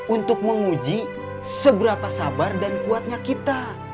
untuk menguji seberapa sabar dan kuatnya kita